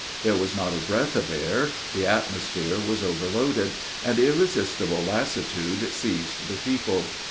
There was not a breath of air; the atmosphere was overloaded; and irresistible lassitude seized the people.